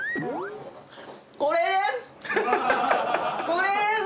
これです！